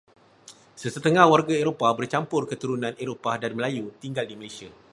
Sesetengah warga Eropah bercampur keturunan Eropah dan Melayu tinggal di Malaysia.